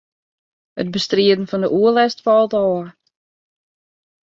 It bestriden fan de oerlêst falt ôf.